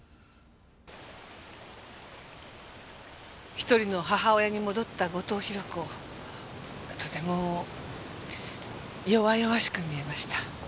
一人の母親に戻った後藤宏子とても弱々しく見えました。